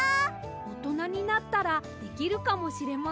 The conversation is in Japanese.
おとなになったらできるかもしれませんね！